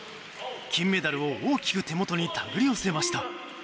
金メダルを大きく手元に手繰り寄せました。